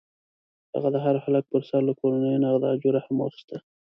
هغه د هر هلک پر سر له کورنیو نغده اجوره هم اخیسته.